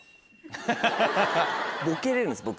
ボケれるんです僕